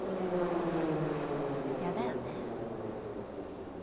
やだよね。